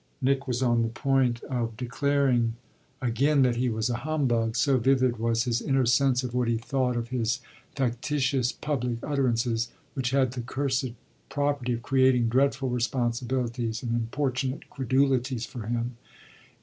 Nick was on the point of declaring again that he was a humbug, so vivid was his inner sense of what he thought of his factitious public utterances, which had the cursed property of creating dreadful responsibilities and importunate credulities for him.